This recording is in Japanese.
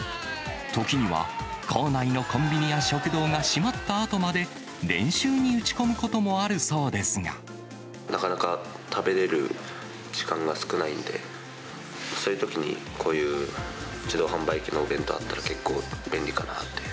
時には、構内のコンビニや食堂が閉まったあとまで、練習に打ち込むこともなかなか食べれる時間が少ないんで、そういうときに、こういう自動販売機のお弁当あったら、結構、便利かなって。